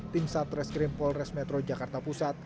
tim satres krim polres metro jakarta pusat